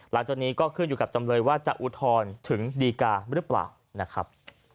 หลังจากนี้ก็ขึ้นอยู่กับจำเลยว่าจะอุทธรณ์ถึงดีการหรือเปล่านะครับ